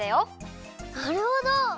なるほど。